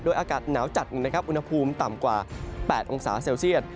อากาศหนาวจัดอุณหภูมิต่ำกว่า๘องศาเซลเซียต